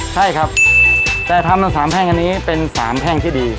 ใช่ครับแต่ทางสามแพงอันนี้เป็นสามแพงที่ดี